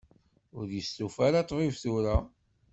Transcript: Ur yestufa ara ṭṭbib tura.